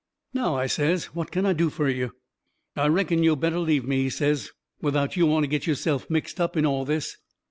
"Now," I says, "what can I do fur you?" "I reckon yo' better leave me," he says, "without yo' want to get yo'self mixed up in all this."